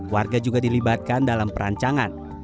warga juga dilibatkan dalam perancangan